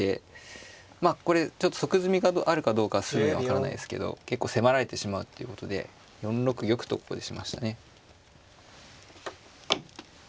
まあこれちょっと即詰みがあるかどうかはすぐに分からないですけど結構迫られてしまうっていうことで４六玉とここでしましたね。